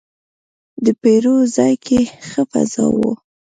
د پیرود ځای کې ښه فضا وه.